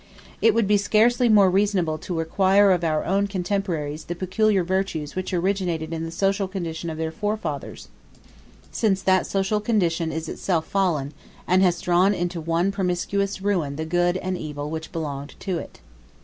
It would be scarcely more reasonable to require of our own contemporaries the peculiar virtues which originated in the social condition of their forefathers, since that social condition is itself fallen, and has drawn into one promiscuous ruin the good and evil which belonged to it.